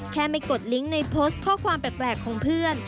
แค่ไม่กดลิงก์ในโพสต์ข้อความแปลกของเพื่อน